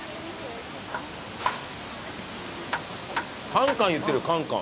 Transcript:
カンカンいってるカンカン。